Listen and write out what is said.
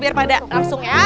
biar pada langsung ya